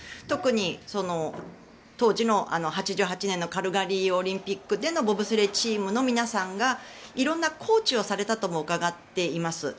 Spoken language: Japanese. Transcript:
特に当時の８８年のカルガリーオリンピックでのボブスレーチームの皆さんが色んなコーチをされたともうかがっています。